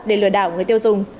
để lừa đảo người tiêu dùng